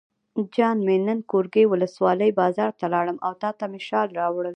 جان مې نن ګورکي ولسوالۍ بازار ته لاړم او تاته مې شال راوړل.